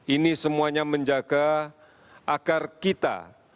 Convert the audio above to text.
ini semuanya menjaga agar kita